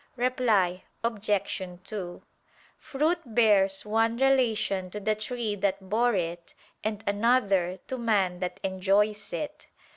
Reply Obj. 2: Fruit bears one relation to the tree that bore it, and another to man that enjoys it.